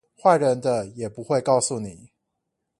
壞人的也不會告訴你